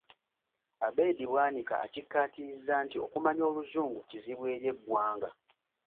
Abed Bwanika akikkaatirizza nti okumanya Oluzungu kizibu eri eggwanga.